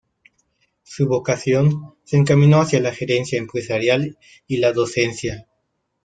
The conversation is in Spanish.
Su vocación se encaminó hacia la gerencia empresarial y la docencia.